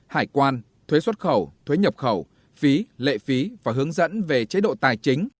hải quan thuế xuất khẩu thuế nhập khẩu phí lệ phí và hướng dẫn về chế độ tài chính